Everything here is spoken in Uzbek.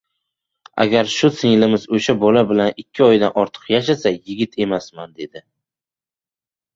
— Agar shu singlimiz o‘sha bola bilan ikki oydan ortiq yashasa... yigit emasman! — dedi.